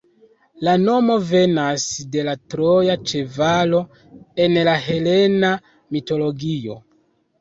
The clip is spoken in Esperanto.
La nomo venas de la troja ĉevalo el la helena mitologio.